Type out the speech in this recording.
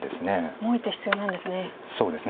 もう１手必要なんですね。